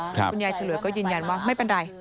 คุณยายเฉลยก็ยืนยันว่าไม่เป็นไร